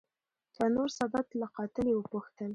دانور سادات له قاتل یې وپوښتل